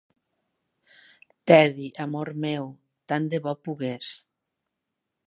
Teddy, amor meu, tant de bo pogués!